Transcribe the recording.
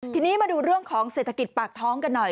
ทีนี้มาดูเรื่องของเศรษฐกิจปากท้องกันหน่อย